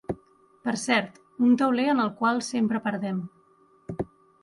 Per cert, un tauler en el qual sempre perdem.